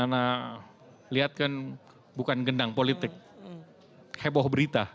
ibu nana lihat kan bukan gendang politik heboh berita